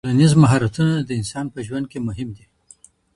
ټولنیز مهارتونه د انسان په ژوند کي مهم دي.